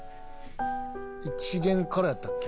１限からやったっけ？